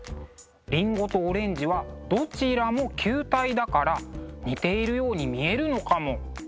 りんごとオレンジはどちらも球体だから似ているように見えるのかも。